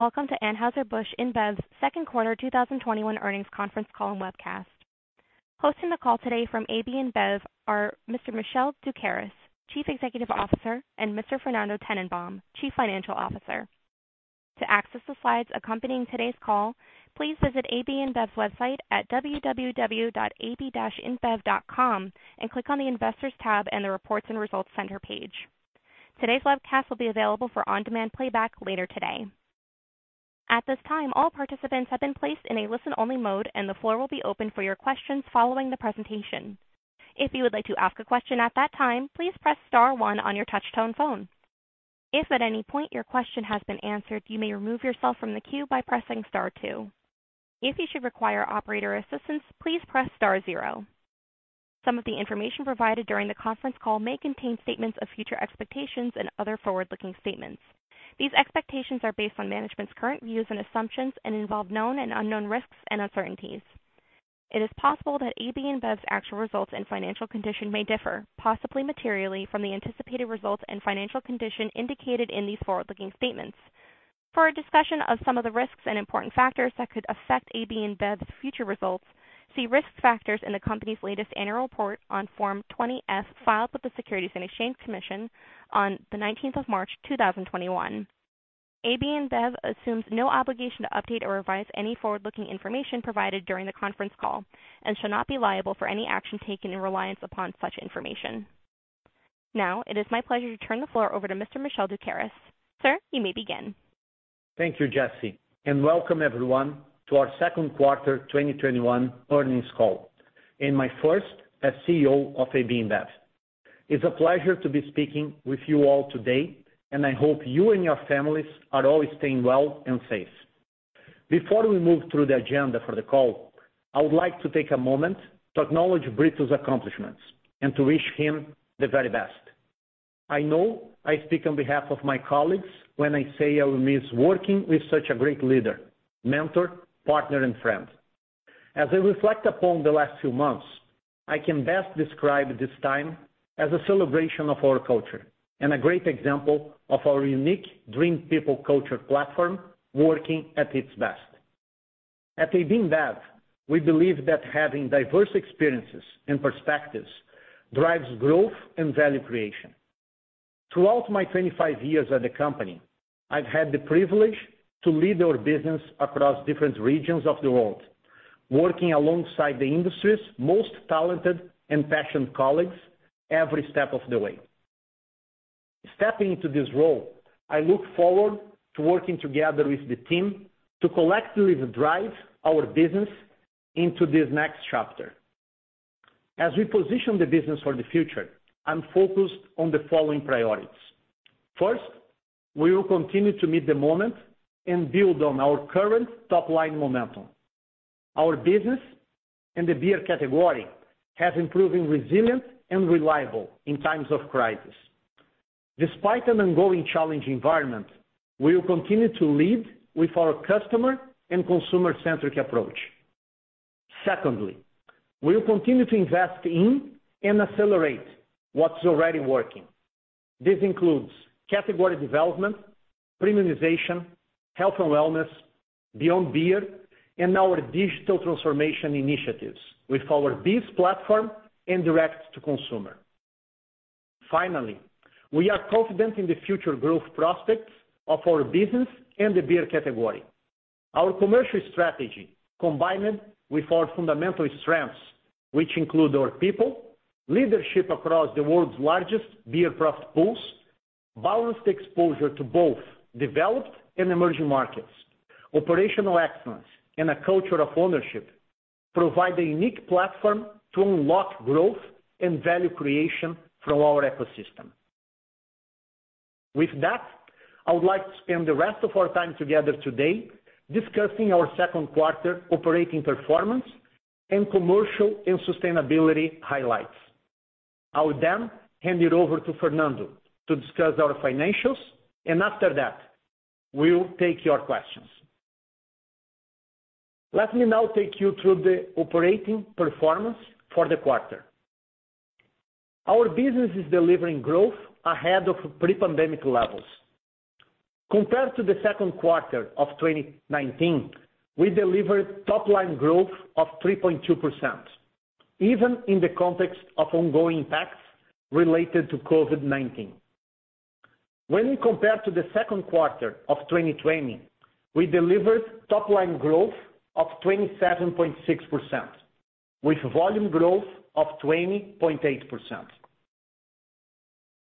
Welcome to Anheuser-Busch InBev's second quarter 2021 earnings conference call and webcast. Hosting the call today from AB InBev are Mr. Michel Doukeris, Chief Executive Officer, and Mr. Fernando Tennenbaum, Chief Financial Officer. To access the slides accompanying today's call, please visit AB InBev's website at www.ab-inbev.com and click on the investors tab and the reports and results center page. Today's webcast will be available for on-demand playback later today. At BEES time, all participants have been placed in a listen-only mode, and the floor will be open for your questions following the presentation. If you would like to ask a question at that time, please press Star one on your touch-tone phone. If at any point your question has been answered, you may remove yourself from the queue by pressing Star two. If you should require operator assistance, please press Star zero. Some of the information provided during the conference call may contain statements of future expectations and other forward-looking statements. These expectations are based on management's current views and assumptions and involve known and unknown risks and uncertainties. It is possible that AB InBev's actual results and financial condition may differ, possibly materially, from the anticipated results and financial condition indicated in these forward-looking statements. For a discussion of some of the risks and important factors that could affect AB InBev's future results, see risk factors in the company's latest annual report on Form 20-F filed with the Securities and Exchange Commission on the 19th of March 2021. AB InBev assumes no obligation to update or revise any forward-looking information provided during the conference call and shall not be liable for any action taken in reliance upon such information. Now, it is my pleasure to turn the floor over to Mr. Michel Doukeris. Sir, you may begin. Thank you, Jesse, and welcome everyone to our 2nd quarter 2021 earnings call, and my first as CEO of AB InBev. It's a pleasure to be speaking with you all today, and I hope you and your families are all staying well and safe. Before we move through the agenda for the call, I would like to take a moment to acknowledge Brito's accomplishments and to wish him the very best. I know I speak on behalf of my colleagues when I say I will miss working with such a great leader, mentor, partner, and friend. As I reflect upon the last few months, I can best describe this time as a celebration of our culture and a great example of our unique Dream People Culture platform working at its best. At AB InBev, we believe that having diverse experiences and perspectives drives growth and value creation. Throughout my 25 years at the company, I've had the privilege to lead our business across different regions of the world, working alongside the industry's most talented and passionate colleagues every step of the way. Stepping into this role, I look forward to working together with the team to collectively drive our business into this next chapter. As we position the business for the future, I'm focused on the following priorities. First, we will continue to meet the moment and build on our current top-line momentum. Our business and the beer category have proven resilient and reliable in times of crisis. Despite an ongoing challenging environment, we will continue to lead with our customer and consumer-centric approach. Secondly, we will continue to invest in and accelerate what's already working. This includes category development, premiumization, health and wellness, Beyond Beer, and our digital transformation initiatives with our BEES platform and direct-to-consumer. We are confident in the future growth prospects of our business and the beer category. Our commercial strategy, combined with our fundamental strengths, which include our people, leadership across the profit poolssssssssssssssss, balanced exposure to both developed and emerging markets, operational excellence, and a culture of ownership, provide a unique platform to unlock growth and value creation from our ecosystem. With that, I would like to spend the rest of our time together today discussing our 2nd quarter operating performance and commercial and sustainability highlights. I will then hand it over to Fernando to discuss our financials, and after that, we'll take your questions. Let me now take you through the operating performance for the quarter. Our business is delivering growth ahead of pre-pandemic levels. Compared to the second quarter of 2019, we delivered top-line growth of 3.2%, even in the context of ongoing impacts related to COVID-19. When compared to the second quarter of 2020, we delivered top-line growth of 27.6% with volume growth of 20.8%.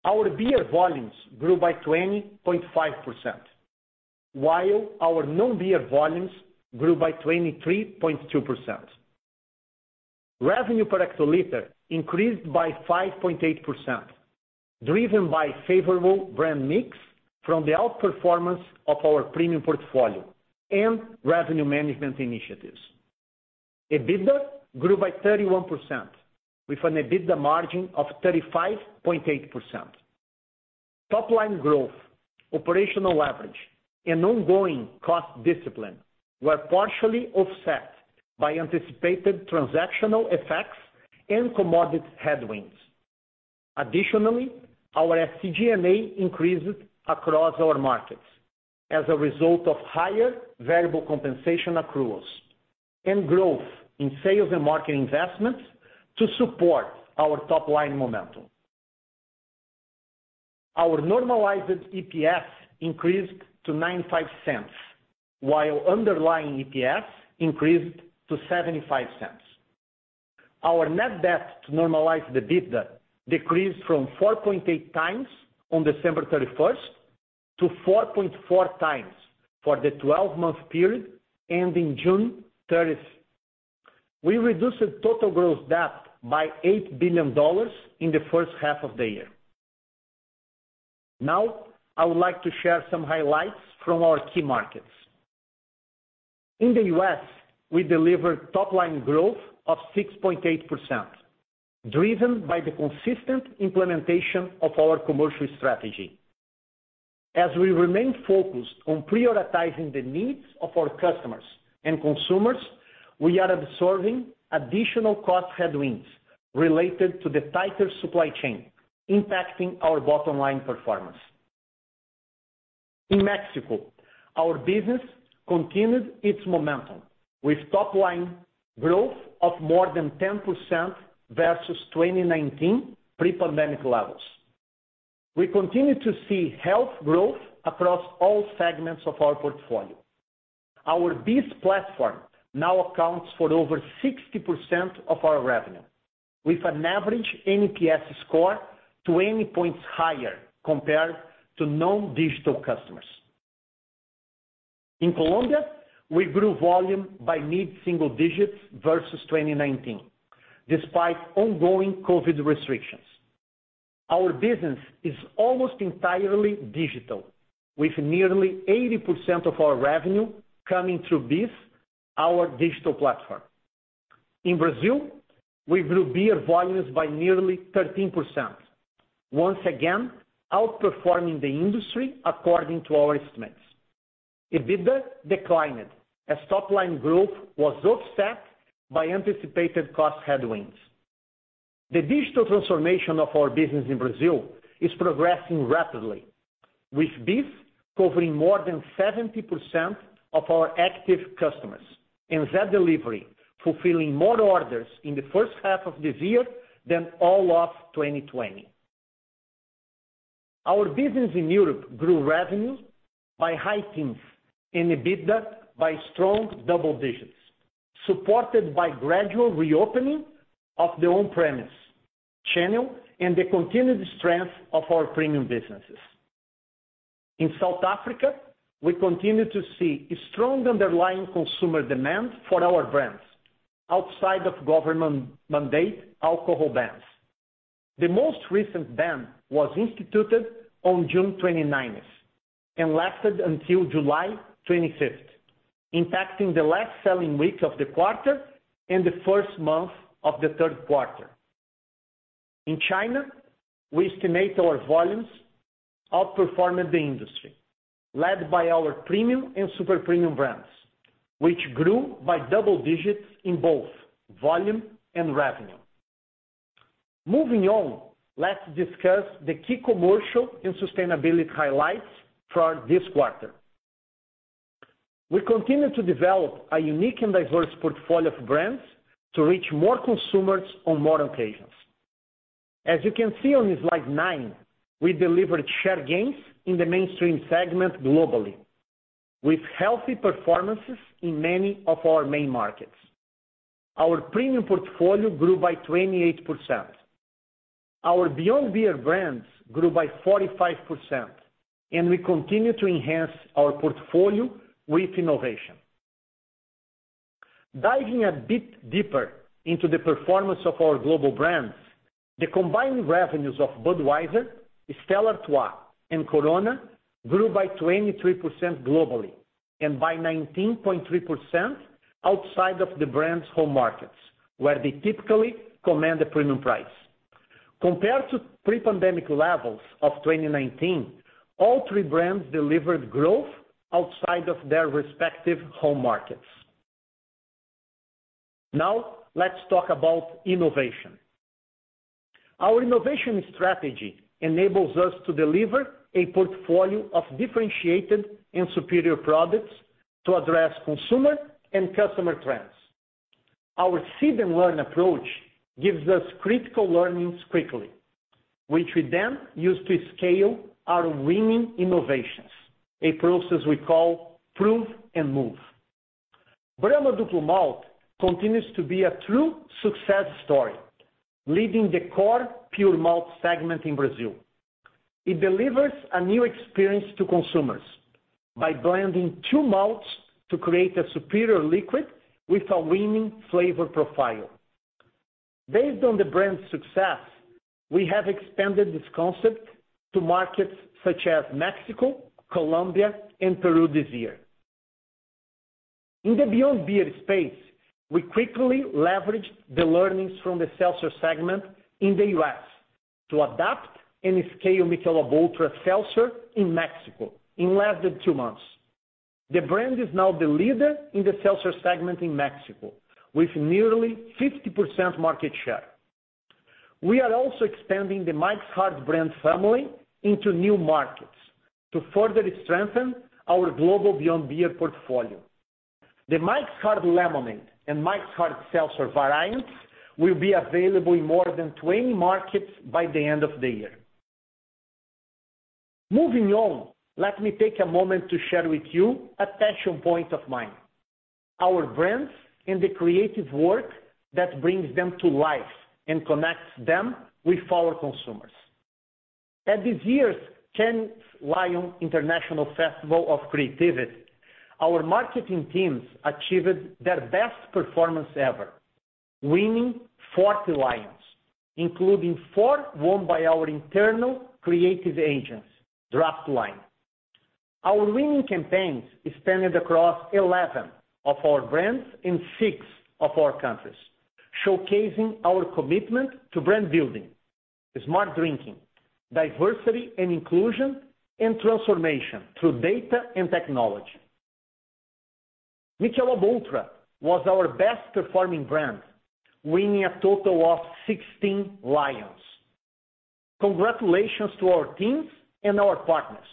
Our beer volumes grew by 20.5%, while our non-beer volumes grew by 23.2%. Revenue per hectoliter increased by 5.8%, driven by favorable brand mix from the outperformance of our premium portfolio and revenue management initiatives. EBITDA grew by 31%, with an EBITDA margin of 35.8%. Top-line growth, operational deleveraged, and ongoing cost discipline were partially offset by anticipated transactional effects and commodity headwinds. OurSG $A increased across our markets as a result of higher variable compensation accruals and growth in sales and marketing investments to support our top-line momentum. Our normalized EPS increased to 0.95, while underlying EPS increased to 0.75. Our net debt to normalized EBITDA decreased from 4.8 times on December 31st to 4.4x for the 12-month period ending June 30th. We reduced the total gross debt by $8 billion in the first half of the year. I would like to share some highlights from our key markets. In the U.S., we delivered top-line growth of 6.8%, driven by the consistent implementation of our commercial strategy. As we remain focused on prioritizing the needs of our customers and consumers, we are absorbing additional cost headwinds related to the tighter supply chain impacting our bottom line performance. In Mexico, our business continued its momentum with top-line growth of more than 10% versus 2019 pre-pandemic levels. We continue to see healthy growth across all segments of our portfolio. Our BEES platform now accounts for over 60% of our revenue, with an average NPS score 20 points higher compared to non-digital customers. In Colombia, we grew volume by mid-single digits versus 2019, despite ongoing COVID restrictions. Our business is almost entirely digital, with nearly 80% of our revenue coming through BEES, our digital platform. In Brazil, we grew beer volumes by nearly 13%, once again outperforming the industry according to our estimates. EBITDA declined, as top-line growth was offset by anticipated cost headwinds. The digital transformation of our business in Brazil is progressing rapidly, with BEES covering more than 70% of our active customers, and Zé Delivery fulfilling more orders in the first half of this year than all of 2020. Our business in Europe grew revenue by high teens and EBITDA by strong double digits, supported by gradual reopening of the on-premise channel and the continued strength of our premium businesses. In South Africa, we continue to see strong underlying consumer demand for our brands outside of government mandate alcohol bans. The most recent ban was instituted on June 29th and lasted until July 25th, impacting the last selling week of the quarter and the first month of the third quarter. In China, we estimate our volumes outperforming the industry, led by our premium and super premium brands, which grew by double digits in both volume and revenue. Moving on, let's discuss the key commercial and sustainability highlights for this quarter. We continue to develop a unique and diverse portfolio of brands to reach more consumers on more occasions. As you can see on Slide nine, we delivered share gains in the mainstream segment globally with healthy performances in many of our main markets. Our premium portfolio grew by 28%. Our Beyond Beer brands grew by 45%. We continue to enhance our portfolio with innovation. Diving a bit deeper into the performance of our global brands, the combined revenues of Budweiser, Stella Artois, and Corona grew by 23% globally. By 19.3% outside of the brand's home markets, where they typically command a premium price. Compared to pre-pandemic levels of 2019, all three brands delivered growth outside of their respective home markets. Now, let's talk about innovation. Our innovation strategy enables us to deliver a portfolio of differentiated and superior products to address consumer and customer trends. Our seed and learn approach gives us critical learnings quickly, which we then use to scale our winning innovations, a process we call prove and move. Brahma Duplo Malte continues to be a true success story, leading the core pure malte segment in Brazil. It delivers a new experience to consumers by blending two maltes to create a superior liquid with a winning flavor profile. Based on the brand's success, we have expanded this concept to markets such as Mexico, Colombia, and Peru this year. In the Beyond Beer space, we quickly leveraged the learnings from the seltzer segment in the U.S. to adapt and scale Michelob Ultra Seltzer in Mexico in less than two months. The brand is now the leader in the seltzer segment in Mexico with nearly 50% market share. We are also expanding the Mike's Hard brand family into new markets to further strengthen our global Beyond Beer portfolio. The Mike's Hard Lemonade and Mike's Hard Seltzer variants will be available in more than 20 markets by the end of the year. Moving on, let me take a moment to share with you a passion point of mine, our brands and the creative work that brings them to life and connects them with our consumers. At this year's Cannes Lions International Festival of Creativity, our marketing teams achieved their best performance ever, winning 40 Lions, including four won by our internal creative agents, draftLine. Our winning campaigns extended across 11 of our brands in six of our countries, showcasing our commitment to brand building, smart drinking, diversity and inclusion, and transformation through data and technology. Michelob ULTRA was our best performing brand, winning a total of 16 Lions. Congratulations to our teams and our partners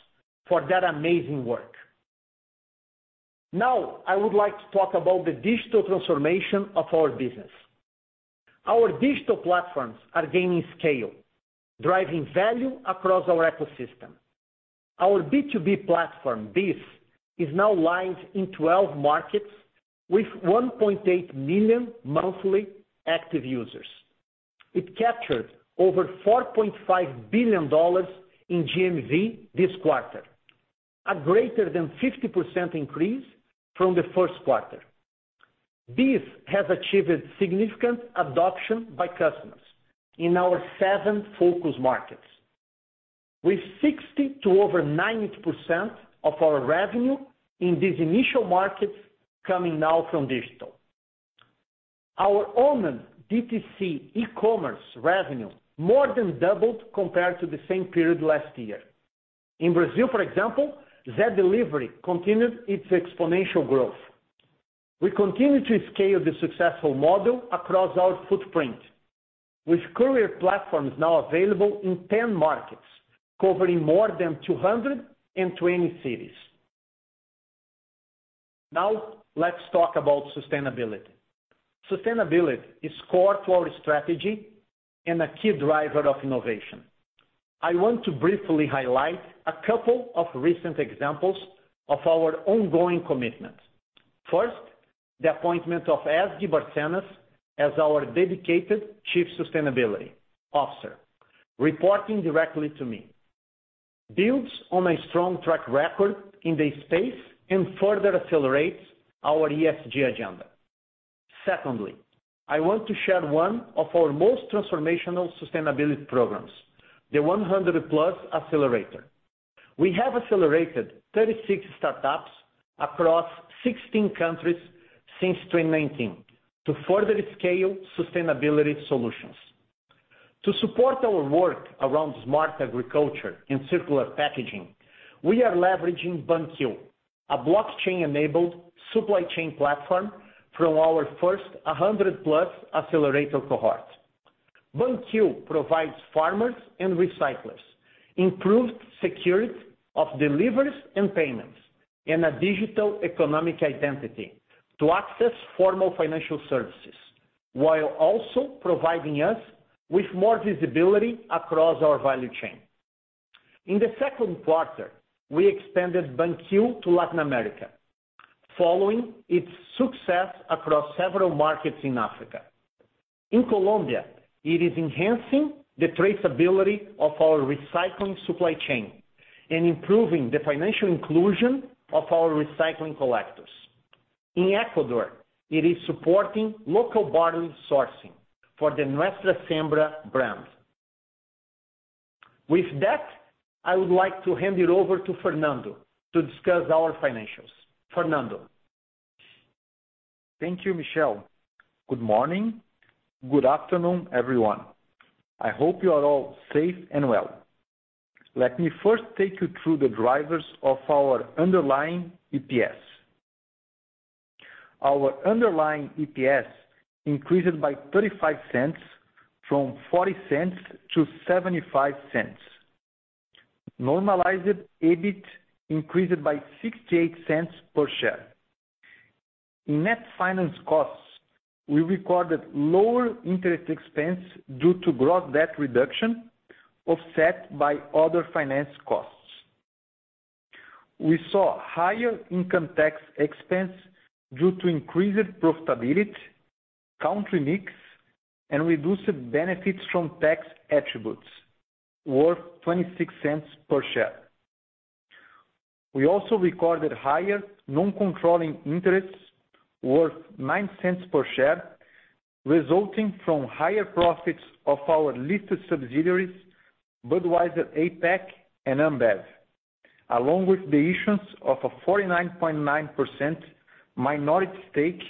for that amazing work. I would like to talk about the digital transformation of our business. Our digital platforms are gaining scale, driving value across our ecosystem. Our B2B platform, BEES, is now live in 12 markets with 1.8 million monthly active users. It captured over $4.5 billion in GMV this quarter, a greater than 50% increase from the first quarter. BEES has achieved significant adoption by customers in our seven focus markets. With 60% to over 90% of our revenue in these initial markets coming now from digital. Our owned DTC e-commerce revenue more than doubled compared to the same period last year. In Brazil, for example, Zé Delivery continued its exponential growth. We continue to scale the successful model across our footprint, with courier platforms now available in 10 markets, covering more than 220 cities. Let's talk about sustainability. Sustainability is core to our strategy and a key driver of innovation. I want to briefly highlight a couple of recent examples of our ongoing commitment. First, the appointment of Ezgi Barcenas as our dedicated Chief Sustainability Officer, reporting directly to me, builds on a strong track record in the space and further accelerates our ESG agenda. Secondly, I want to share one of our most transformational sustainability programs, the 100+ Accelerator. We have accelerated 36 startups across 16 countries since 2019 to further scale sustainability solutions. To support our work around smart agriculture and circular packaging, we are leveraging BanQu, a blockchain-enabled supply chain platform from our first 100+ Accelerator cohort. BanQu provides farmers and recyclers improved security of deliveries and payments, and a digital economic identity to access formal financial services, while also providing us with more visibility across our value chain. In the second quarter, we expanded BanQu to Latin America, following its success across several markets in Africa. In Colombia, it is enhancing the traceability of our recycling supply chain and improving the financial inclusion of our recycling collectors. In Ecuador, it is supporting local bottle sourcing for the Nuestra Siembra brand. With that, I would like to hand it over to Fernando to discuss our financials. Fernando. Thank you, Michel. Good morning. Good afternoon, everyone. I hope you are all safe and well. Let me first take you through the drivers of our underlying EPS. Our underlying EPS increased by $0.35 from $0.40 to $0.75. Normalized EBIT increased by $0.68 per share. In net finance costs, we recorded lower interest expense due to gross debt reduction, offset by other finance costs. We saw higher income tax expense due to increased profitability, country mix, and reduced benefits from tax attributes worth $0.26 per share. We also recorded higher non-controlling interests worth $0.09 per share, resulting from higher profits of our listed subsidiaries, Budweiser APAC and Ambev, along with the issuance of a 49.9% minority stake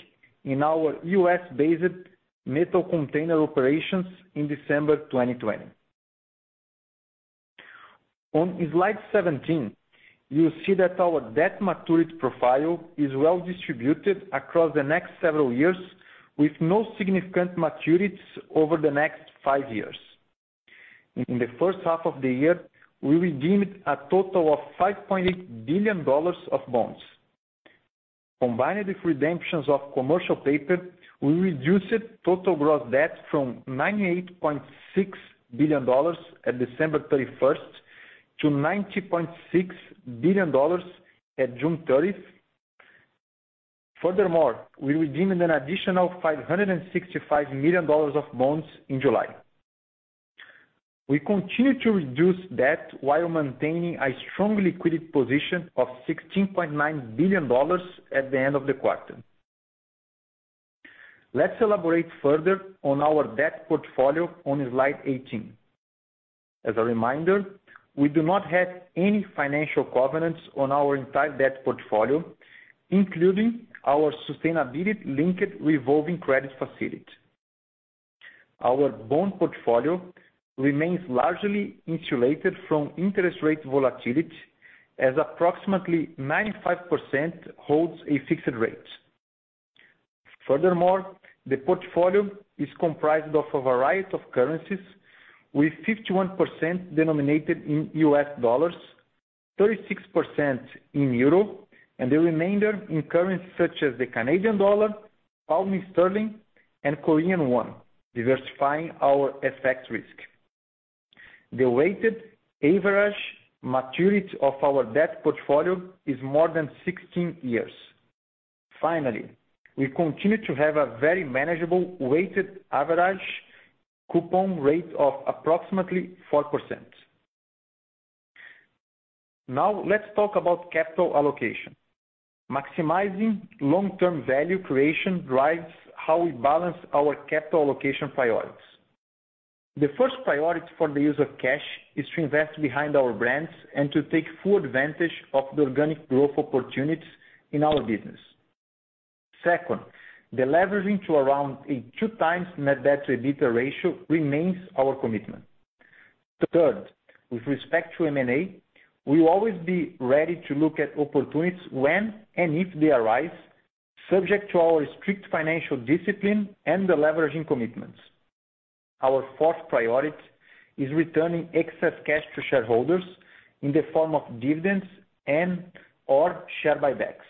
in our U.S.-based metal container operations in December 2020. On Slide 17, you see that our debt maturity profile is well-distributed across the next several years, with no significant maturities over the next five years. In the first half of the year, we redeemed a total of $5.8 billion of bonds. Combined with redemptions of commercial paper, we reduced total gross debt from $98.6 billion at December 31st to $90.6 billion at June 30th. Furthermore, we redeemed an additional $565 million of bonds in July. We continue to reduce debt while maintaining a strong liquidity position of $16.9 billion at the end of the quarter. Let's elaborate further on our debt portfolio on Slide 18. As a reminder, we do not have any financial covenants on our entire debt portfolio, including our sustainability-linked revolving credit facility. Our bond portfolio remains largely insulated from interest rate volatility, as approximately 95% holds a fixed rate. Furthermore, the portfolio is comprised of a variety of currencies, with 51% denominated in U.S. dollars, 36% in euro, and the remainder in currency such as the Canadian dollar, pound sterling, and Korean won, diversifying our FX risk. The weighted average maturity of our debt portfolio is more than 16 years. Finally, we continue to have a very manageable weighted average coupon rate of approximately 4%. Now, let's talk about capital allocation. Maximizing long-term value creation drives how we balance our capital allocation priorities. The first priority for the use of cash is to invest behind our brands and to take full advantage of the organic growth opportunities in our business. Second, deleveraging to around a 2x net debt to EBITDA ratio remains our commitment. Third, with respect to M&A, we will always be ready to look at opportunities when and if they arise, subject to our strict financial discipline and deveraging commitments. Our fourth priority is returning excess cash to shareholders in the form of dividends and/or share buybacks.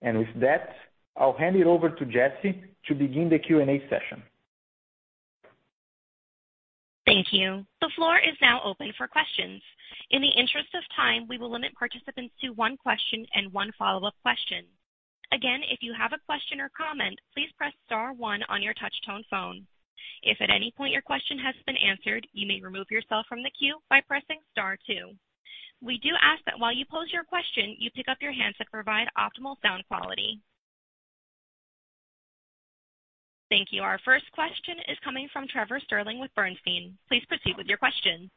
With that, I'll hand it over to Jesse to begin the Q&A session. Thank you. The floor is now open for questions. In the interest of time, we will limit participants to one question and one follow-up question. Again, if you have a question or comment, please press Star one on your touch-tone phone. If at any point your question has been answered, you may remove yourself from the queue by pressing Star two. We do ask that while you pose your question, you pick up your hands to provide optimal sound quality. Thank you. Our first question is coming from Trevor Stirling with Bernstein. Please proceed with your question.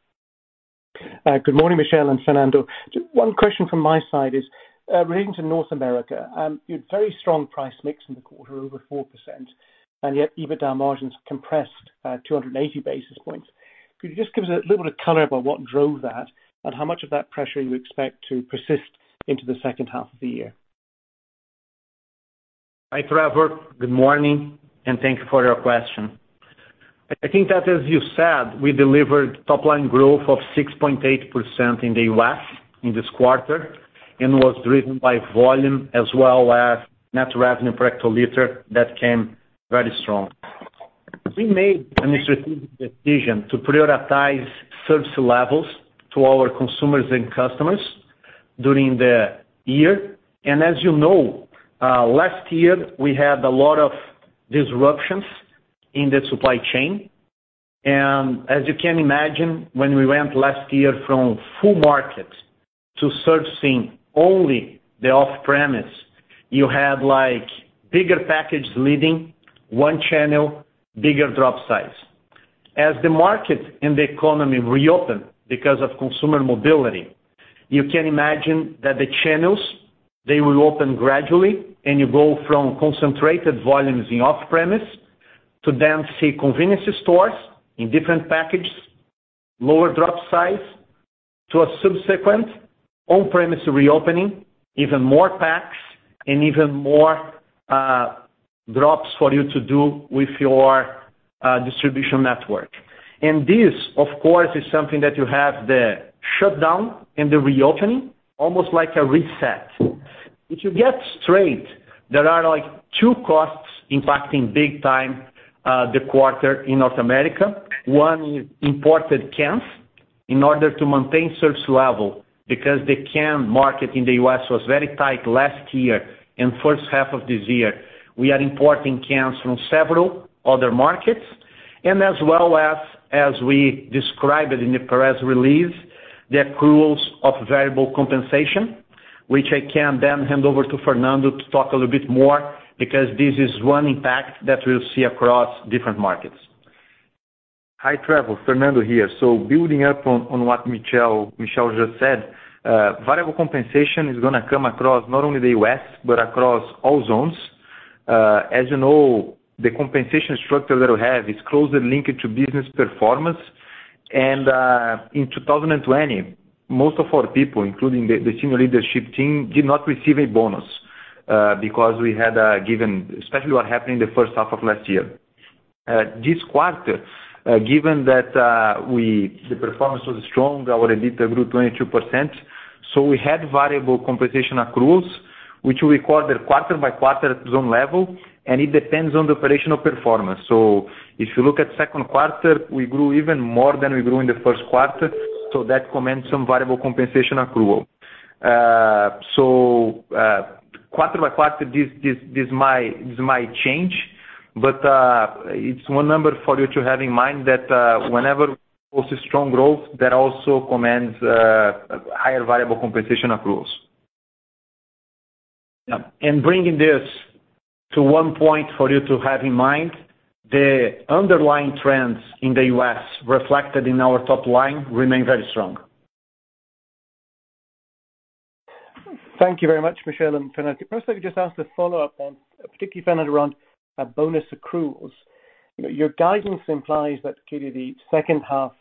Good morning, Michel and Fernando. One question from my side is relating to North America. You had very strong price mix in the quarter, over 4%, and yet EBITDA margins compressed 280 basis points. Could you just give us a little bit of color about what drove that and how much of that pressure you expect to persist into the second half of the year? Hi, Trevor. Good morning, and thank you for your question. I think that as you said, we delivered top-line growth of 6.8% in the U.S. in this quarter and was driven by volume as well as net revenue per hectoliter that came very strong. We made a strategic decision to prioritize service levels to our consumers and customers during the year. As you know last year, we had a lot of disruptions in the supply chain. As you can imagine, when we went last year from full market to servicing only the off-premise, you had bigger package leading 1 channel, bigger drop size. As the market and the economy reopen because of consumer mobility, you can imagine that the channels, they will open gradually. You go from concentrated volumes in off-premise to then see convenience stores in different packages, lower drop size, to a subsequent on-premise reopening, even more packs and even more drops for you to do with your distribution network. This, of course, is something that you have the shutdown and the reopening, almost like a reset. If you get straight, there are two costs impacting big time the quarter in North America. One is imported cans in order to maintain service level because the can market in the U.S. was very tight last year and first half of this year. We are importing cans from several other markets. As well as we described it in the press release, the accruals of variable compensation, which I can then hand over to Fernando to talk a little bit more because this is one impact that we will see across different markets. Hi, Trevor. Fernando here. Building up on what Michel just said, variable compensation is going to come across not only the U.S., but across all zones. As you know, the compensation structure that we have is closely linked to business performance. In 2020, most of our people, including the senior leadership team, did not receive a bonus because we had given, especially what happened in the first half of last year. This quarter, given that the performance was strong, our EBITDA grew 22%. We had variable compensation accruals, which we record quarter by quarter at zone level, and it depends on the operational performance. If you look at second quarter, we grew even more than we grew in the first quarter, so that commands some variable compensation accrual. Quarter by quarter, this might change, but it's one number for you to have in mind that whenever we post a strong growth, that also commands higher variable compensation accruals. Yeah. Bringing this to one point for you to have in mind, the underlying trends in the U.S. reflected in our top line remain very strong. Thank you very much, Michel and Fernando. First, let me just ask a follow-up on, particularly Fernando, around bonus accruals. Your guidance implies that clearly the second half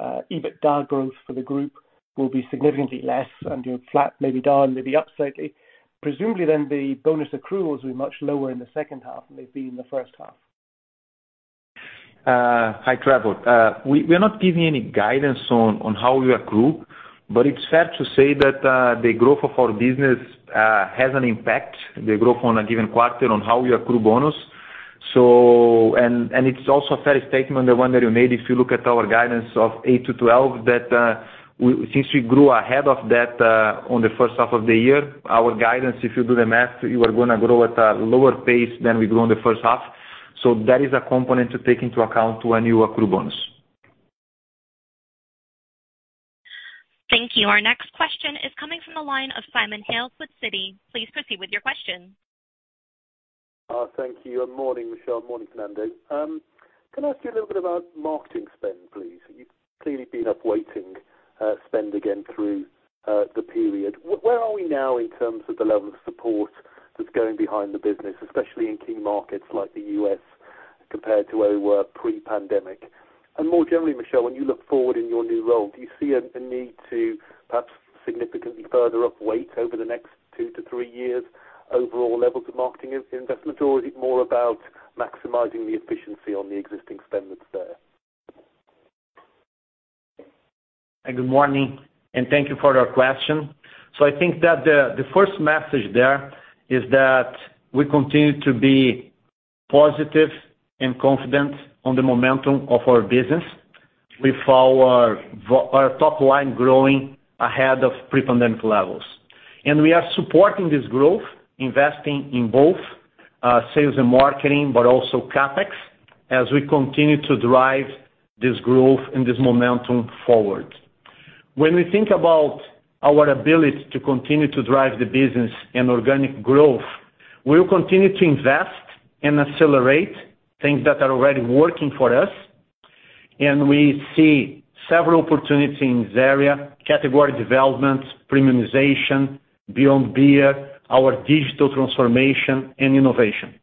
EBITDA growth for the group will be significantly less and flat, maybe down, maybe up slightly. Presumably the bonus accruals will be much lower in the second half than they've been in the first half. Hi, Trevor. We are not giving any guidance on how we accrue, but it's fair to say that the growth of our business has an impact, the growth on a given quarter on how we accrue bonus. It's also a fair statement, the one that you made, if you look at our guidance of eight to 12, that since we grew ahead of that on the first half of the year, our guidance, if you do the math, you are going to grow at a lower pace than we grew in the first half. That is a component to take into account when you accrue bonus. Thank you. Our next question is coming from the line of Simon Hales with Citi. Please proceed with your question. Thank you, morning, Michel, morning, Fernando. Can I ask you a little bit about marketing spend, please? You've clearly been upweighting spend again through the period. Where are we now in terms of the level of support that's going behind the business, especially in key markets like the U.S., compared to where we were pre-pandemic? More generally, Michel, when you look forward in your new role, do you see a need to perhaps significantly further upweight over the next two to three years overall levels of marketing investment, or is it more about maximizing the efficiency on the existing spend that's there? Good morning, and thank you for your question. I think that the first message there is that we continue to be positive and confident on the momentum of our business with our top line growing ahead of pre-pandemic levels. We are supporting this growth, investing in both sales and marketing, but also CapEx as we continue to drive this growth and this momentum forward. When we think about our ability to continue to drive the business and organic growth, we'll continue to invest and accelerate things that are already working for us. We see several opportunities in this area, category development, premiumization, beyond beer, our digital transformation, and innovation.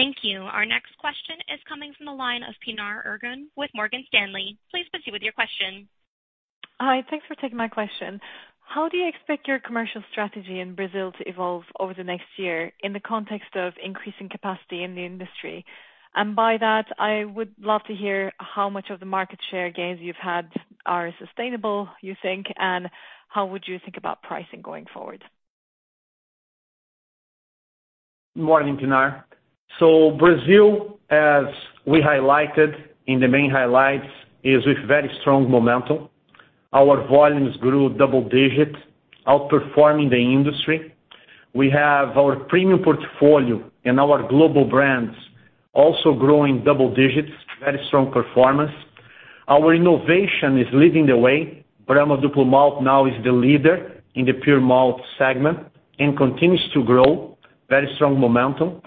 Got it. Thank you. Thank you. Our next question is coming from the line of Pinar Ergin with Morgan Stanley. Please proceed with your question. Hi. Thanks for taking my question. How do you expect your commercial strategy in Brazil to evolve over the next year in the context of increasing capacity in the industry? By that, I would love to hear how much of the market share gains you've had are sustainable, you think, and how would you think about pricing going forward? Morning, Pinar. Brazil, as we highlighted in the main highlights, is with very strong momentum. Our volumes grew double digits, outperforming the industry. We have our premium portfolio and our global brands also growing double digits, very strong performance. Our innovation is leading the way. Brahma Duplo Malte now is the leader in the pure malt segment and continues to grow, very strong momentum.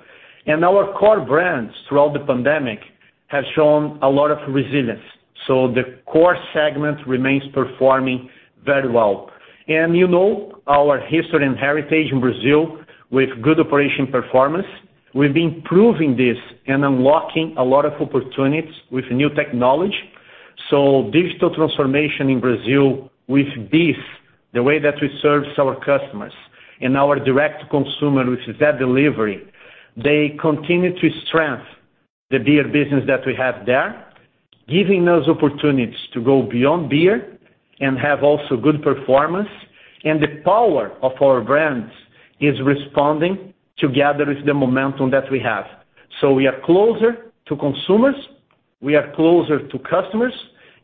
Our core brands throughout the pandemic have shown a lot of resilience, the core segment remains performing very well. You know our history and heritage in Brazil with good operation performance. We've been proving this and unlocking a lot of opportunities with new technology. Digital transformation in Brazil with this, the way that we serve our customers and our direct consumer with Zé Delivery, they continue to strengthen the beer business that we have there, giving us opportunities to go Beyond Beer and have also good performance. The power of our brands is responding together with the momentum that we have. We are closer to consumers, we are closer to customers,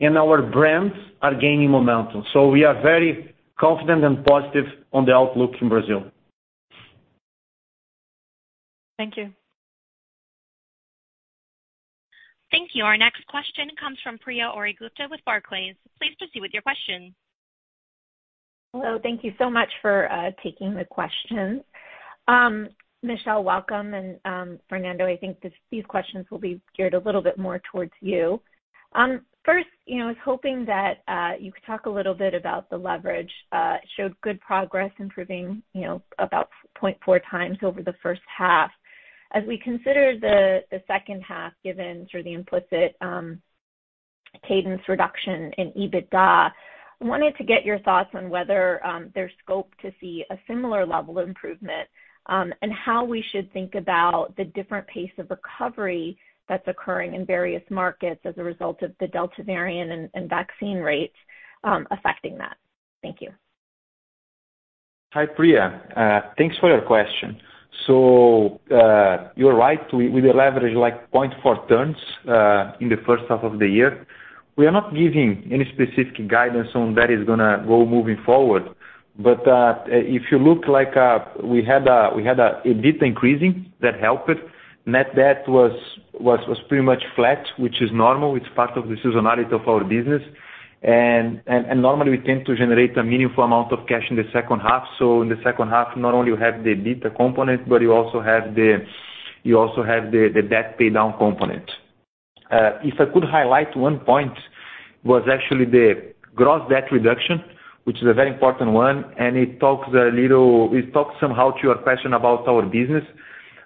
and our brands are gaining momentum. We are very confident and positive on the outlook in Brazil. Thank you. Thank you. Our next question comes from Priya Gupta with Barclays. Please proceed with your question. Hello. Thank you so much for taking the questions. Michel, welcome, Fernando, I think these questions will be geared a little bit more towards you. I was hoping that you could talk a little bit about the leverage. It showed good progress, improving about 0.4x over the first half. As we consider the second half, given sort of the implicit cadence reduction in EBITDA, I wanted to get your thoughts on whether there's scope to see a similar level of improvement, and how we should think about the different pace of recovery that's occurring in various markets as a result of the Delta variant and vaccine rates affecting that. Thank you. Hi, Priya. Thanks for your question. You're right. We leverage 0.4 turns in the first half of the year. We are not giving any specific guidance on that is going to go moving forward. If you look, we had a EBITDA increase that helped it. Net debt was pretty much flat, which is normal. It's part of the seasonality of our business. Normally, we tend to generate a meaningful amount of cash in the second half. In the second half, not only you have the EBITDA component, but you also have the debt paydown component. If I could highlight one point, was actually the gross debt reduction, which is a very important one, and it talks somehow to your question about our business.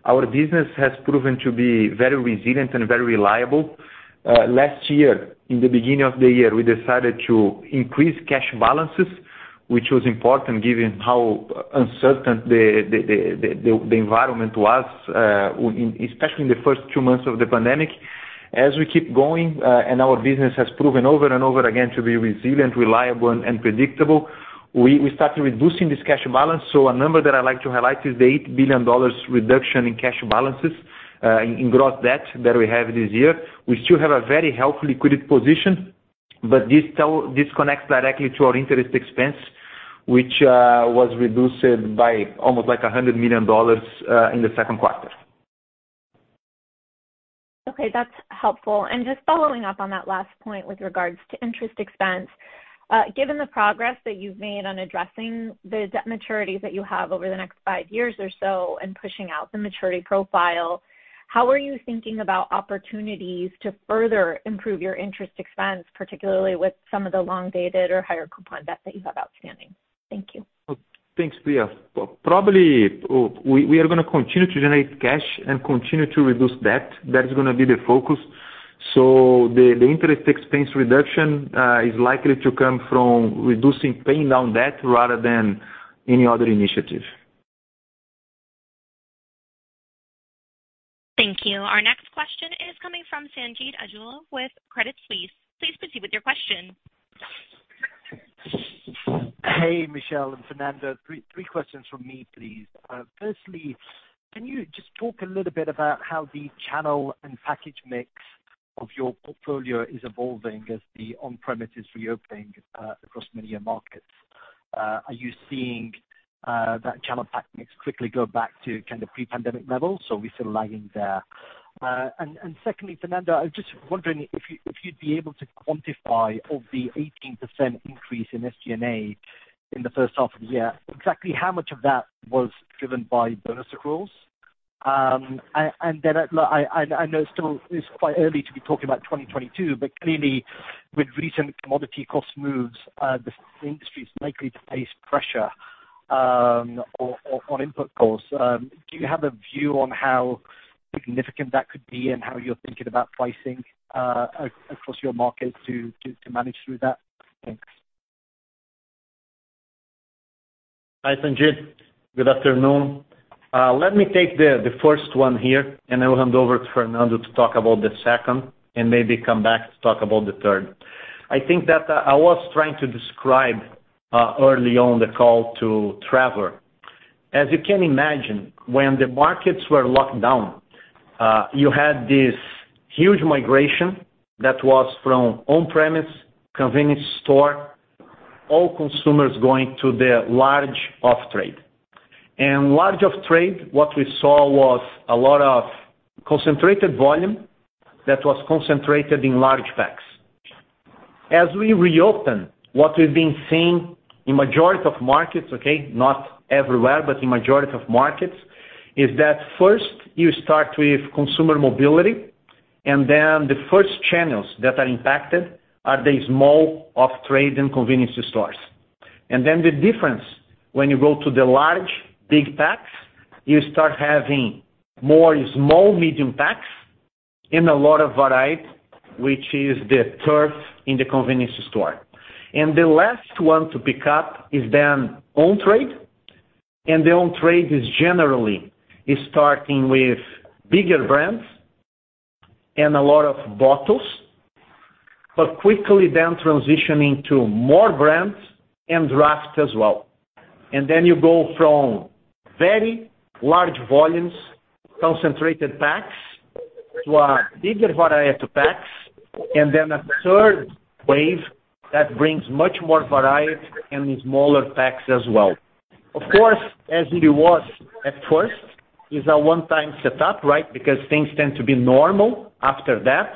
Our business has proven to be very resilient and very reliable. Last year, in the beginning of the year, we decided to increase cash balances, which was important given how uncertain the environment was, especially in the first two months of the pandemic. As we keep going, and our business has proven over and over again to be resilient, reliable, and predictable, we start reducing this cash balance. A number that I'd like to highlight is the $8 billion reduction in cash balances in gross debt that we have this year. We still have a very healthy liquid position, but this connects directly to our interest expense, which was reduced by almost $100 million in the second quarter. Okay, that's helpful. Just following up on that last point with regards to interest expense. Given the progress that you've made on addressing the debt maturities that you have over the next five years or so, and pushing out the maturity profile, how are you thinking about opportunities to further improve your interest expense, particularly with some of the long-dated or higher coupon debt that you have outstanding? Thank you. Thanks, Priya. Probably, we are going to continue to generate cash and continue to reduce debt. That is going to be the focus. The interest expense reduction is likely to come from reducing paying down debt rather than any other initiative. Thank you. Our next question is coming from Sanjeet Aujla with Credit Suisse. Please proceed with your question. Hey, Michel and Fernando. Three questions from me, please. Firstly, can you just talk a little bit about how the channel and package mix of your portfolio is evolving as the on-premise is reopening across many markets? Are you seeing that channel pack mix quickly go back to kind of pre-pandemic levels? Are we still lagging there? Secondly, Fernando, I was just wondering if you'd be able to quantify of the 18% increase in SG&A in the first half of the year, exactly how much of that was driven by bonus accruals. I know it still is quite early to be talking about 2022, but clearly with recent commodity cost moves, the industry is likely to face pressure on input costs. Do you have a view on how significant that could be, and how you're thinking about pricing across your markets to manage through that? Thanks. Hi, Sanjeet. Good afternoon. Let me take the first one here. I will hand over to Fernando to talk about the second and maybe come back to talk about the third. I think that I was trying to describe early on the call to Trevor. As you can imagine, when the markets were locked down, you had this huge migration that was from on-premise convenience store, all consumers going to the large off-trade. Large off-trade, what we saw was a lot of concentrated volume that was concentrated in large packs. As we reopen, what we've been seeing in majority of markets, okay? Not everywhere, but in majority of markets, is that first you start with consumer mobility, and then the first channels that are impacted are the small off-trade and convenience stores. The difference when you go to the large big packs, you start having more small, medium packs and a lot of variety, which is the turf in the convenience store. The last one to pick up is then on-trade. The on-trade is generally starting with bigger brands and a lot of bottles, but quickly then transitioning to more brands and draft as well. You go from very large volumes, concentrated packs, to a bigger variety of packs, and then a third wave that brings much more variety and in smaller packs as well. Of course, as it was at first, is a one-time setup, right? Things tend to be normal after that,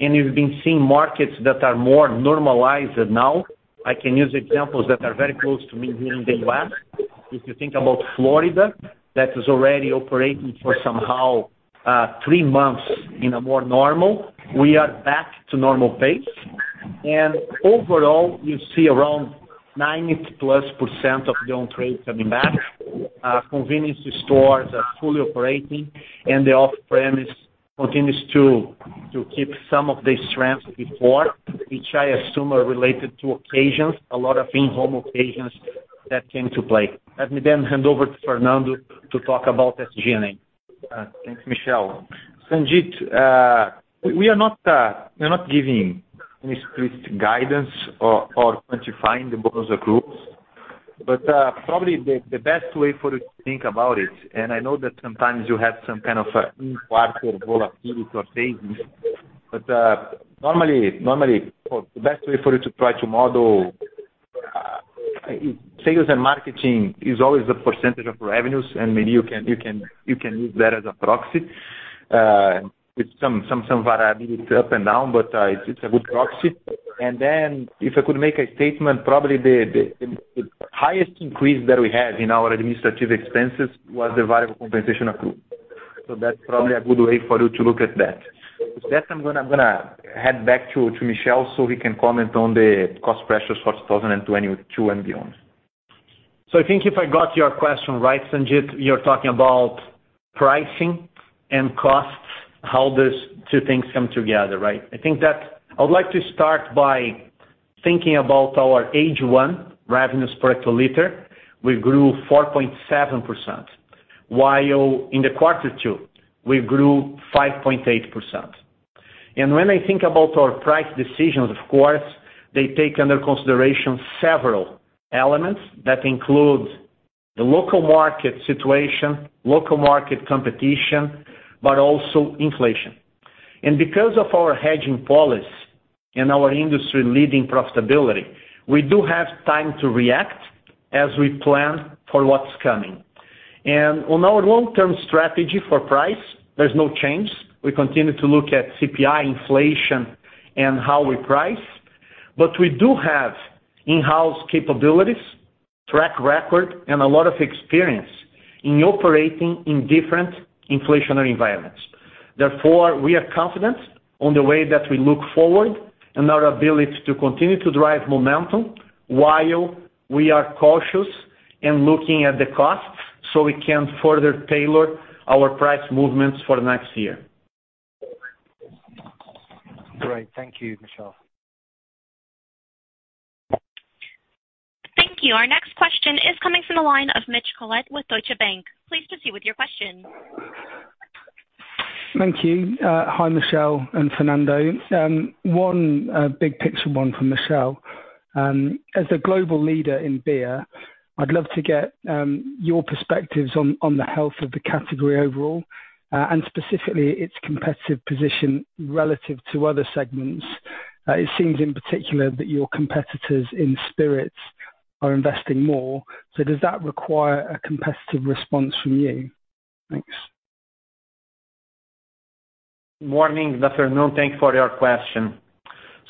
and we've been seeing markets that are more normalized now. I can use examples that are very close to me here in the U.S. If you think about Florida, that is already operating for somehow three months in a more normal, we are back to normal pace. Overall, you see around 90%+ of the on-trade coming back. Convenience stores are fully operating, the off-premise continues to keep some of the strengths before, which I assume are related to occasions, a lot of in-home occasions that came to play. Let me then hand over to Fernando to talk about SG&A. Thanks, Michel. Sanjeet, we are not giving any strict guidance or quantifying the bonus accruals. Probably the best way for you to think about it, and I know that sometimes you have some kind of in-quarter volatility or savings, normally, the best way for you to try to model, sales and marketing is always a % of revenues, and maybe you can use that as a proxy with some variability up and down, it's a good proxy. If I could make a statement, probably the highest increase that we had in our administrative expenses was the variable compensation accrual. That's probably a good way for you to look at that. With that, I'm gonna hand back to Michel so he can comment on the cost pressures for 2022 and beyond. I think if I got your question right, Sanjeet, you're talking about pricing and costs, how those two things come together, right? I would like to start by thinking about our H1 revenues per hectoliter. We grew 4.7%, while in the Q2, we grew 5.8%. When I think about our price decisions, of course, they take under consideration several elements that include the local market situation, local market competition, but also inflation. Because of our hedging policy and our industry-leading profitability, we do have time to react as we plan for what's coming. On our long-term strategy for price, there's no change. We continue to look at CPI inflation and how we price. We do have in-house capabilities, track record, and a lot of experience in operating in different inflationary environments. Therefore, we are confident on the way that we look forward and our ability to continue to drive momentum while we are cautious in looking at the costs so we can further tailor our price movements for next year. Great. Thank you, Michel. Thank you. Our next question is coming from the line of Mitch Collett with Deutsche Bank. Please proceed with your question. Thank you. Hi, Michel and Fernando. One big picture one for Michel. As the global leader in beer, I'd love to get your perspectives on the health of the category overall, and specifically its competitive position relative to other segments. It seems in particular that your competitors in spirits are investing more. Does that require a competitive response from you? Thanks. Morning, Mitch Collett. Thank you for your question.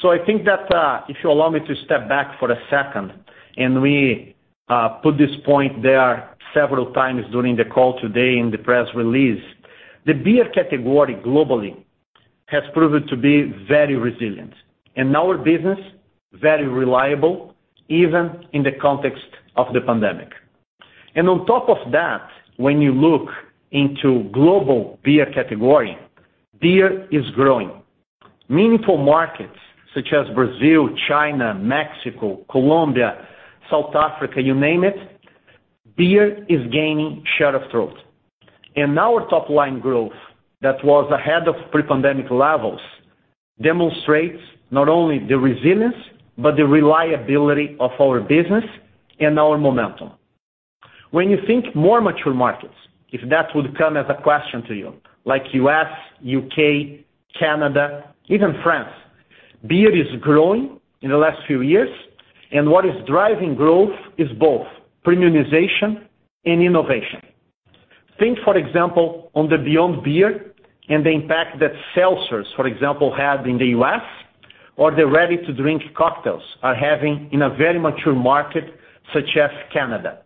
I think that if you allow me to step back for a second, and we put this point there several times during the call today in the press release. The beer category globally has proven to be very resilient, and our business, very reliable, even in the context of the pandemic. On top of that, when you look into global beer category, beer is growing. Meaningful markets such as Brazil, China, Mexico, Colombia, South Africa, you name it, beer is gaining share of throat. Our top-line growth that was ahead of pre-pandemic levels demonstrates not only the resilience but the reliability of our business and our momentum. When you think more mature markets, if that would come as a question to you, like U.S., U.K., Canada, even France, beer is growing in the last few years. What is driving growth is both premiumization and innovation. Think, for example, on the Beyond Beer and the impact that seltzers, for example, had in the U.S., or the ready-to-drink cocktails are having in a very mature market such as Canada.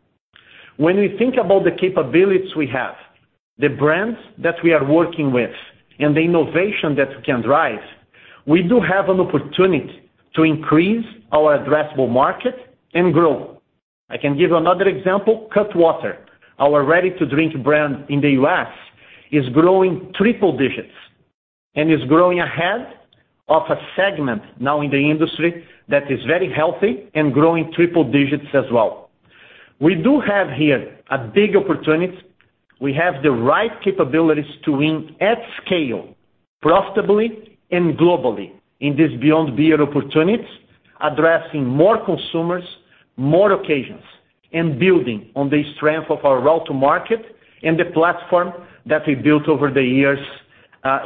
When we think about the capabilities we have, the brands that we are working with, and the innovation that we can drive, we do have an opportunity to increase our addressable market and grow. I can give another example, Cutwater, our ready-to-drink brand in the U.S., is growing triple digits and is growing ahead of a segment now in the industry that is very healthy and growing triple digits as well. We do have here a big opportunity. We have the right capabilities to win at scale, profitably and globally in this Beyond Beer opportunity, addressing more consumers, more occasions, and building on the strength of our route to market and the platform that we built over the years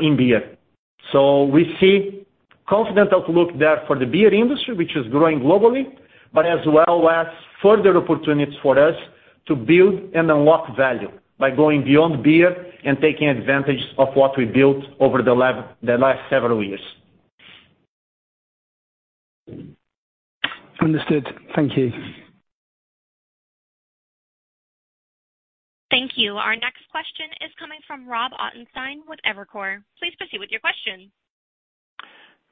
in beer. We see confident outlook there for the beer industry, which is growing globally, but as well as further opportunities for us to build and unlock value by going Beyond Beer and taking advantage of what we built over the last several years. Understood. Thank you. Thank you. Our next question is coming from Rob Ottenstein with Evercore. Please proceed with your question.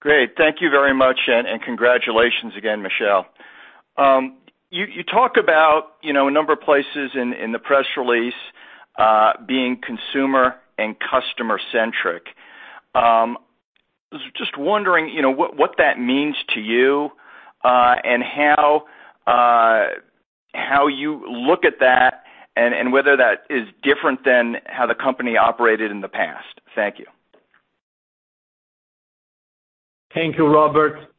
Great. Thank you very much, and congratulations again, Michel. You talk about a number of places in the press release being consumer and customer-centric. I was just wondering what that means to you, and how you look at that, and whether that is different than how the company operated in the past? Thank you. Thank you, Robert.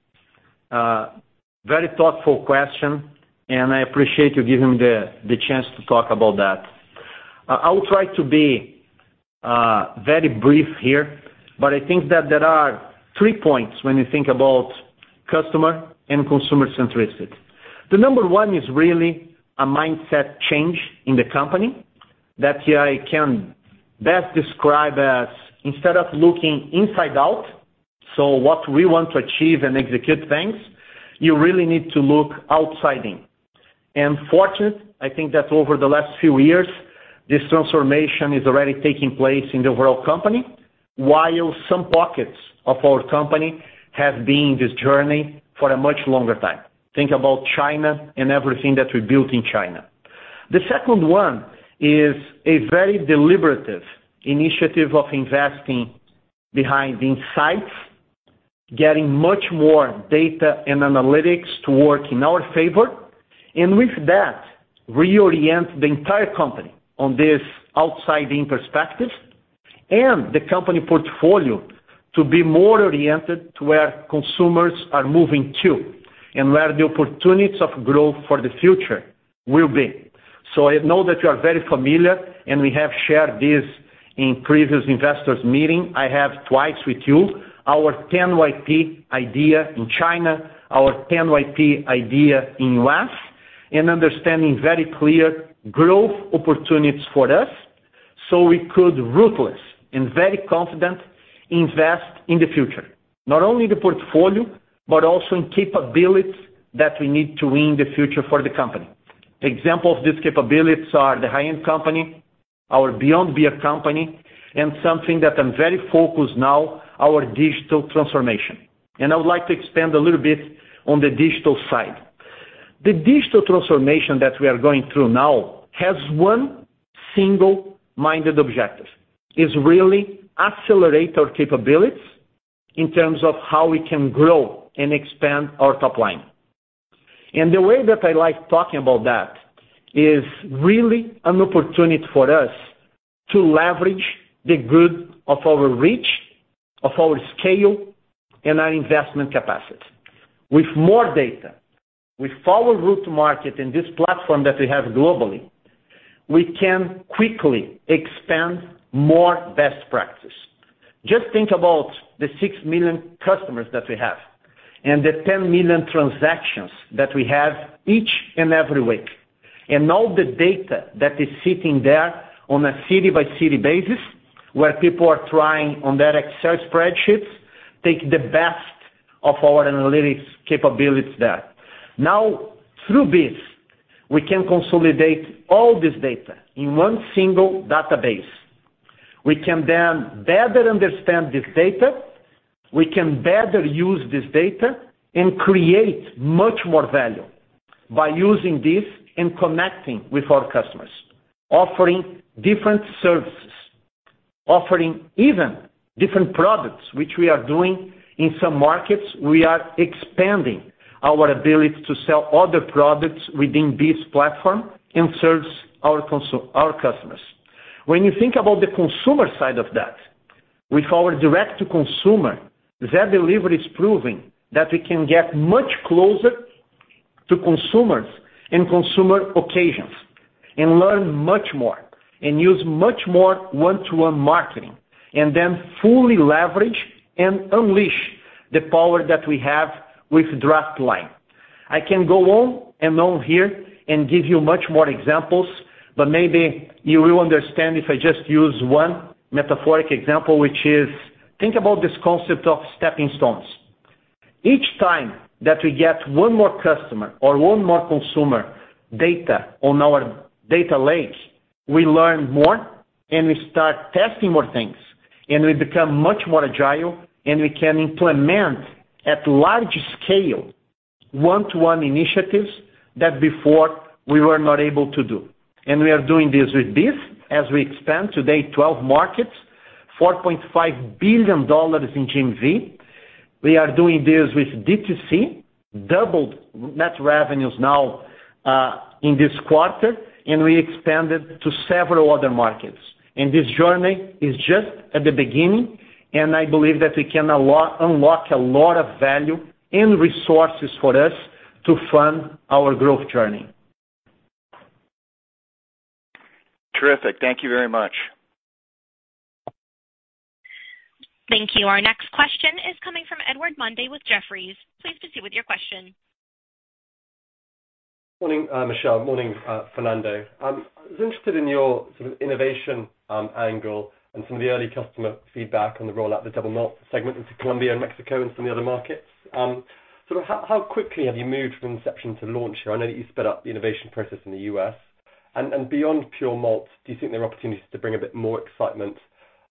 Very thoughtful question, and I appreciate you giving me the chance to talk about that. I will try to be very brief here, but I think that there are three points when you think about customer and consumer-centricity. The number one is really a mindset change in the company that I can best describe as instead of looking inside out, so what we want to achieve and execute things, you really need to look outside in. Fortunate, I think that over the last few years, this transformation is already taking place in the whole company, while some pockets of our company have been in this journey for a much longer time. Think about China and everything that we built in China. The second one is a very deliberative initiative of investing behind insights, getting much more data and analytics to work in our favor. With that, reorient the entire company on this outside-in perspective and the company portfolio to be more oriented to where consumers are moving to and where the opportunities of growth for the future will be. I know that you are very familiar, and we have shared this in previous investors' meeting, I have twice with you, our 10YP idea in China, our 10YP idea in U.S., and understanding very clear growth opportunities for us, so we could ruthless and very confident invest in the future. Not only the portfolio, but also in capabilities that we need to win the future for the company. Example of these capabilities are the high-end company, our Beyond Beer company, and something that I'm very focused now, our digital transformation. I would like to expand a little bit on the digital side. The digital transformation that we are going through now has one single-minded objective. Is really accelerate our capabilities in terms of how we can grow and expand our top line. The way that I like talking about that is really an opportunity for us to leverage the good of our reach, of our scale, and our investment capacity. With more data, with our route to market and this platform that we have globally, we can quickly expand more best practice. Just think about the 6 million customers that we have and the 10 million transactions that we have each and every week, and all the data that is sitting there on a city-by-city basis where people are trying on their Excel spreadsheets, take the best of our analytics capabilities there. Through this, we can consolidate all this data in one single database. We can better understand this data, we can better use this data, and create much more value by using this and connecting with our customers, offering different services, offering even different products, which we are doing in some markets. We are expanding our ability to sell other products within this platform and serves our customers. When you think about the consumer side of that, with our direct-to-consumer, Zé Delivery is proving that we can get much closer to consumers and consumer occasions and learn much more and use much more one-to-one marketing, and then fully leverage and unleash the power that we have with DraftLine. I can go on and on here and give you much more examples, but maybe you will understand if I just use one metaphoric example, which is, think about this concept of stepping stones. Each time that we get one more customer or one more consumer data on our data lake, we learn more, and we start testing more things, and we become much more agile, and we can implement at large scale one-to-one initiatives that before we were not able to do. We are doing this with this as we expand today 12 markets, $4.5 billion in GMV. We are doing this with D2C, doubled net revenues now in this quarter, and we expanded to several other markets. This journey is just at the beginning, and I believe that we can unlock a lot of value and resources for us to fund our growth journey. Terrific. Thank you very much. Thank you. Our next question is coming from Edward Mundy with Jefferies. Please proceed with your question. Morning, Michel. Morning, Fernando. I was interested in your innovation angle and some of the early customer feedback on the rollout of the double malt segment into Colombia and Mexico and some of the other markets. How quickly have you moved from inception to launch here? I know that you sped up the innovation process in the U.S. Beyond pure malt, do you think there are opportunities to bring a bit more excitement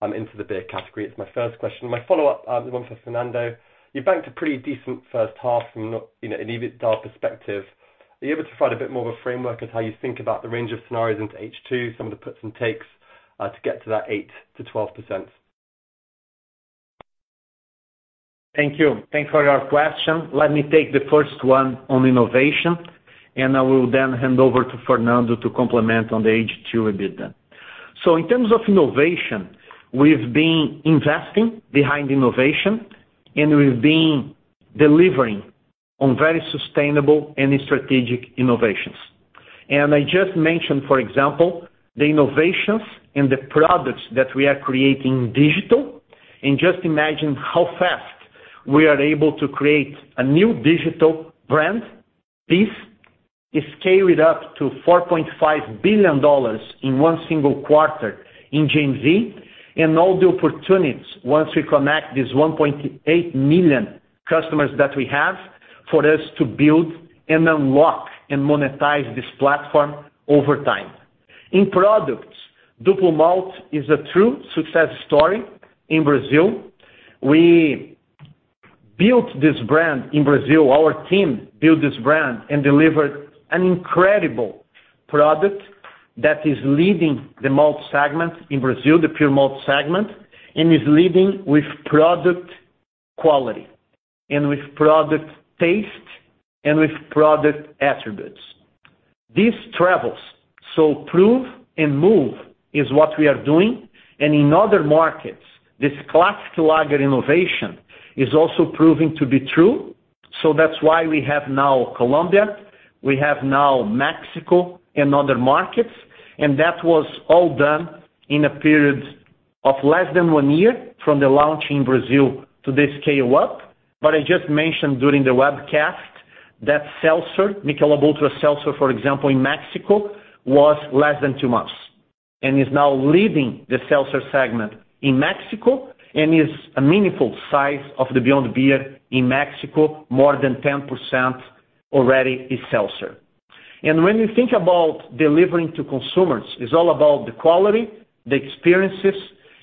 into the beer category? It's my first question. My follow-up, the one for Fernando. You banked a pretty decent first half from an EBITDA perspective. Are you able to provide a bit more of a framework of how you think about the range of scenarios into H2, some of the puts and takes, to get to that 8%-12%? Thank you. Thanks for your question. Let me take the first one on innovation, and I will then hand over to Fernando to complement on the H2 a bit then. In terms of innovation, we've been investing behind innovation, and we've been delivering on very sustainable and strategic innovations. I just mentioned, for example, the innovations in the products that we are creating digital. Just imagine how fast we are able to create a new digital brand. This is scaled up to EUR 4.5 billion in one single quarter in GMV, and all the opportunities once we connect these 1.8 million customers that we have, for us to build and unlock and monetize this platform over time. In products, Brahma Duplo Malte is a true success story in Brazil. We built this brand in Brazil. Our team built this brand and delivered an incredible product that is leading the malt segment in Brazil, the pure malt segment, and is leading with product quality and with product taste and with product attributes. This travels, prove and move is what we are doing. In other markets, this classic lager innovation is also proving to be true, that's why we have now Colombia, we have now Mexico and other markets, and that was all done in a period of less than one year from the launch in Brazil to the scale-up. I just mentioned during the webcast that seltzer, Michelob ULTRA Seltzer, for example, in Mexico, was less than two months and is now leading the seltzer segment in Mexico and is a meaningful size of the Beyond Beer in Mexico. More than 10% already is seltzer. When you think about delivering to consumers, it's all about the quality, the experiences,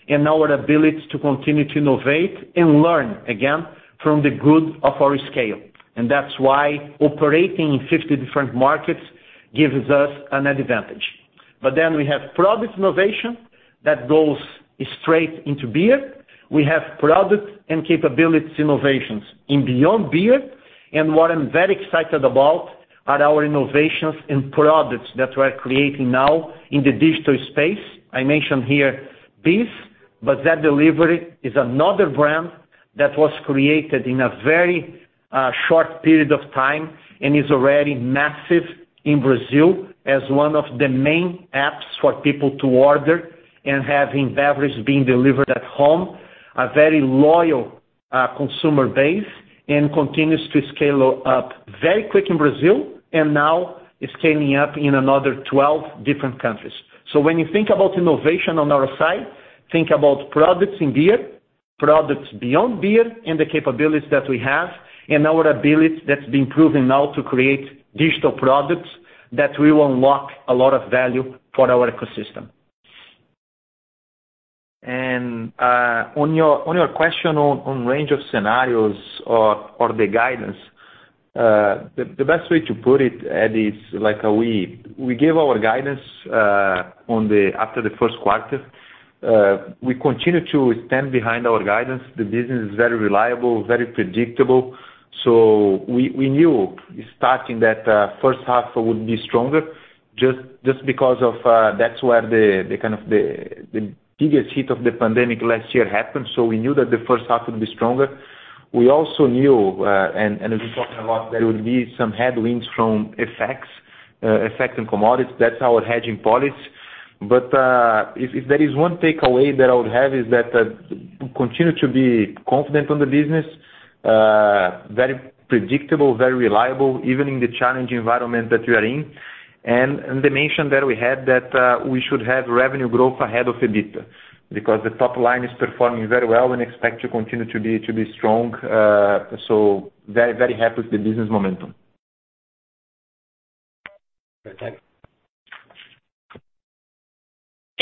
and our ability to continue to innovate and learn, again, from the good of our scale. That's why operating in 50 different markets gives us an advantage. Then we have product innovation that goes straight into beer. We have product and capabilities innovations in Beyond Beer. What I'm very excited about are our innovations in products that we're creating now in the digital space. I mentioned here BEES, but Zé Delivery is another brand that was created in a very short period of time and is already massive in Brazil as one of the main apps for people to order and having beverage being delivered at home, a very loyal consumer base, and continues to scale up very quick in Brazil and now is scaling up in another 12 different countries. When you think about innovation on our side, think about products in beer, products Beyond Beer, and the capabilities that we have, and our ability that's been proven now to create digital products that will unlock a lot of value for our ecosystem. On your question on range of scenarios or the guidance, the best way to put it, Edward, is we give our guidance after the first quarter. We continue to stand behind our guidance. The business is very reliable, very predictable. We knew starting that first half would be stronger just because that's where the biggest hit of the pandemic last year happened. We knew that the first half would be stronger. We also knew, and as we talked a lot, there would be some headwinds from FX in commodities. That's our hedging policy. If there is one takeaway that I would have, is that continue to be confident on the business. Very predictable, very reliable, even in the challenging environment that we are in. The mention that we had that we should have revenue growth ahead of EBITDA because the top line is performing very well and expect to continue to be strong. Very happy with the business momentum. Very thank you.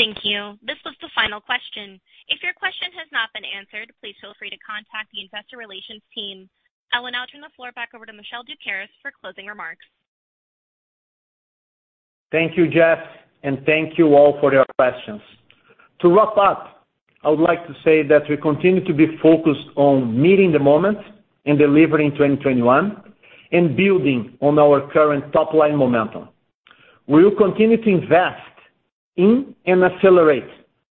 Thank you. This was the final question. If your question has not been answered, please feel free to contact the investor relations team. I will now turn the floor back over to Michel Doukeris for closing remarks. Thank you, Jessie, and thank you all for your questions. To wrap up, I would like to say that we continue to be focused on meeting the moment and delivering 2021 and building on our current top-line momentum. We will continue to invest in and accelerate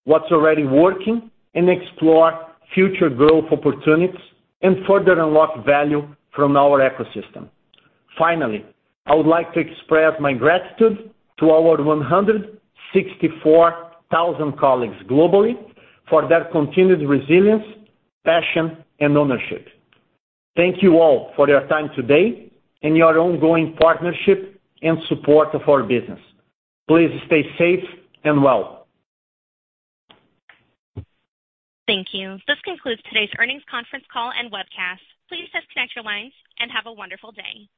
what's already working and explore future growth opportunities and further unlock value from our ecosystem. Finally, I would like to express my gratitude to our 164,000 colleagues globally for their continued resilience, passion, and ownership. Thank you all for your time today and your ongoing partnership and support of our business. Please stay safe and well. Thank you. This concludes today's earnings conference call and webcast. Please disconnect your lines and have a wonderful day.